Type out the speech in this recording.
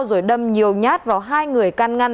rồi đâm nhiều nhát vào hai người can ngăn